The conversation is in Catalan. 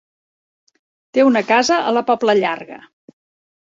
Té una casa a la Pobla Llarga.